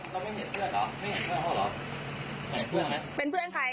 เดี๋ยวมึงเจอตำรวจ